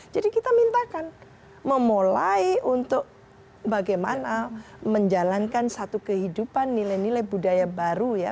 jadi kita mintakan memulai untuk bagaimana menjalankan satu kehidupan nilai nilai budaya baru ya